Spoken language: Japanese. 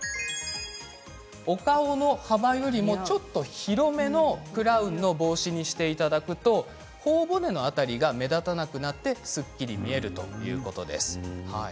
お顔の幅よりもちょっと広めのクラウンの帽子にしていただくとほお骨の辺りが目立たなくなってすっきり見えるということです。